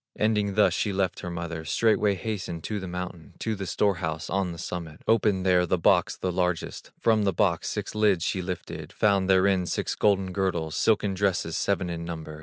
Ending thus she left her mother, Straightway hastened to the mountain, To the store house on the summit, Opened there the box the largest, From the box six lids she lifted, Found therein six golden girdles, Silken dresses seven in number.